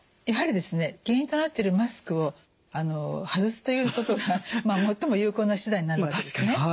やはりですね原因となっているマスクを外すということがまあ最も有効な手段になるんですね。